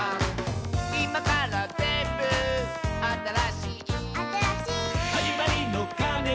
「いまからぜんぶあたらしい」「あたらしい」「はじまりのかねが」